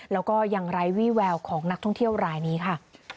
แล้วก็ยังไร้วี่แววของนักท่องเที่ยวรายนี้ค่ะ